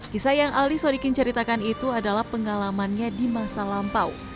kisah yang ali sodikin ceritakan itu adalah pengalamannya di masa lampau